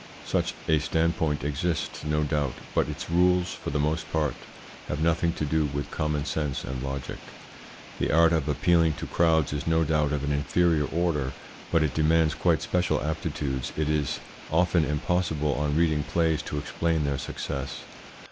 Such a standpoint exists no doubt, but its rules for the most part have nothing to do with common sense and logic. The art of appealing to crowds is no doubt of an inferior order, but it demands quite special aptitudes. It is often impossible on reading plays to explain their success.